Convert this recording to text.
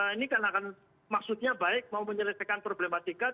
ini kan akan maksudnya baik mau menyelesaikan problematika